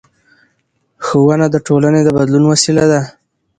ښوونه د ټولنې د بدلون وسیله ده